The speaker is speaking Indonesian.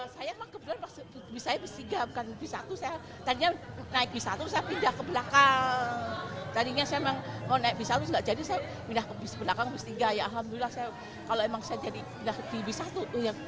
selamat ya sayang benar saya itu